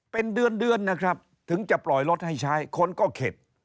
เป็นเดือนเดือนนะครับถึงจะปล่อยรถให้ใช้คนก็เข็ด